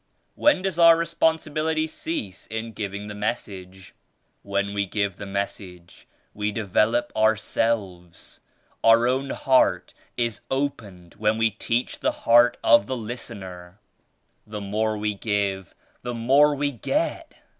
13 *When does our responsibility cease in giving^ the Message?" "When we give the Message we develop our selves. Our own heart is opened when we teach the heart of the listener. The more we give the,' more we get.